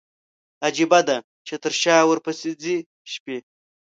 عجيبه ده، چې تر شا ورپسي ځي شپي